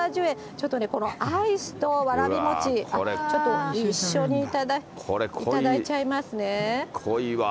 ちょっとね、このアイスとわらび餅、ちょっと一緒にいただいちゃいますね。